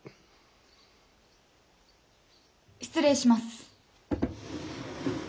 ・失礼します。